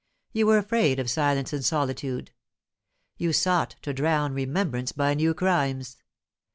You were afraid of silence and solitude. You sought to drown remembrance by new crimes.